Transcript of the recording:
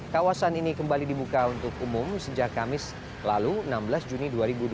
kawasan ini kembali dibuka untuk umum sejak kamis lalu enam belas juni dua ribu dua puluh